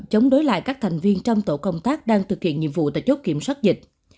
chống đối lại các thành viên trong tổ công tác đang thực hiện nhiệm vụ tại chốt kiểm soát dịch